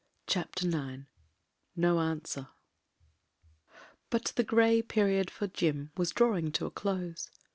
CHAPTER IX NO ANSWER BUT the grey period for Jim was drawing to a close.